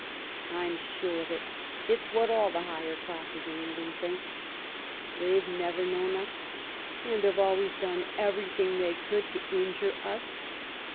I'm sure of it ; it's what all the higher class in England thinks. They've never known us, and have always done everything they could to injure us.